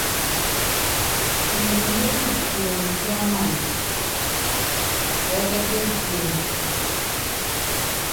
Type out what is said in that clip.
Emelemié nyɛ kiombi ki Amaŋ wɛɛ́kɛ́t epíén.